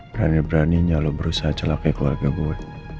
berani beraninya lo berusaha celakai keluarga gue